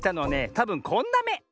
たぶんこんなめ。